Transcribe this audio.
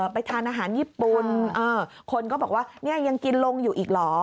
ไปทานอาหารญี่ปุ่นคนก็บอกว่าเนี่ยยังกินลงอยู่อีกเหรอ